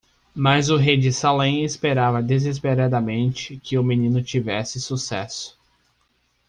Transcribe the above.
Mas o rei de Salem esperava desesperadamente que o menino tivesse sucesso.